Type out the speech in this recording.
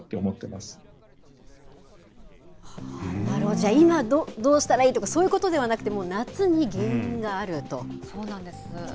じゃあ今、どうしたらいいとか、そういうことではなくて、そうなんです。